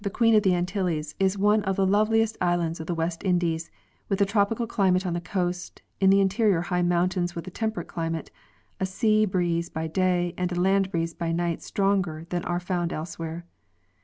21 Queen of the Antilles, is one of the loveliest islands of the West Indies, with a tropical climate on the coast, in the interior high mountains with a temperate climate, a sea breeze by day and a land breeze by night stronger than are found elsewhere.